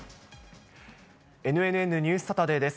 ＮＮＮニュースサタデーです。